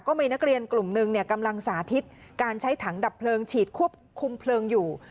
ก็มีนักเรียนกลุ่มหนึ่งกำลังสาธิตการใช้ถังดับเพลิงฉีดควบคุมเพลิงอยู่